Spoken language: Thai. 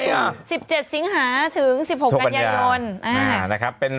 ราศีสิงหาถึง๑๗สิงหาถึง๑๖กันยะยนต์